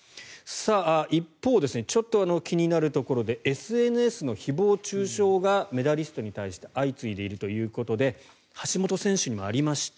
一方ですねちょっと気になるところでＳＮＳの誹謗・中傷がメダリストに対して相次いでいるということで橋本選手にもありました。